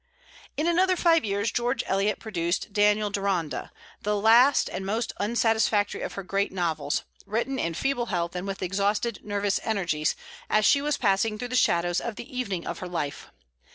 In another five years George Eliot produced "Daniel Deronda," the last and most unsatisfactory of her great novels, written in feeble health and with exhausted nervous energies, as she was passing through the shadows of the evening of her life.